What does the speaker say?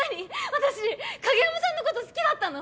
私影山さんのこと好きだったの？